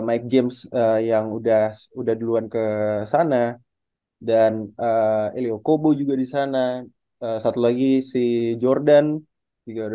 mike james yang udah udah duluan ke sana dan elio kobo juga di sana satu lagi si jordan juga ada